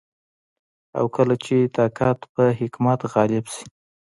او کله چي طاقت په حکمت غالب سي